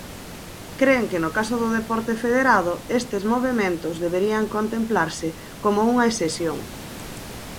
Cren que no caso do deporte federado, estes movementos deberían contemplarse como unha excepción.